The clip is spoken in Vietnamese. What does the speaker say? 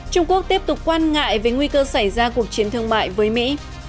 trung quốc tiếp tục quan ngại về nguy cơ xảy ra cuộc chiến thương mại với mỹ